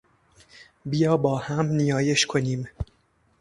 بیا با هم نیایش کنیم.